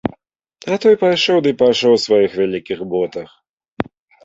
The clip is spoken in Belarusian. А той пайшоў і пайшоў у сваіх вялікіх ботах.